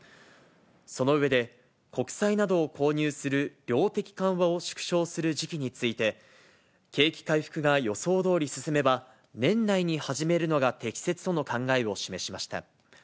その上で、国債などを購入する量的緩和を縮小する時期について、景気回復が予想どおり進めば、年内に始めるのが適切との考えを示しました。